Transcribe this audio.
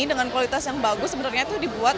dengan kualitas yang bagus sebenarnya itu dibuat